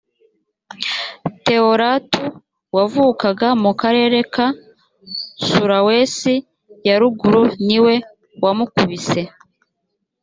theo ratu wavukaga mu karere ka sulawesi ya ruguru niwe wamukubise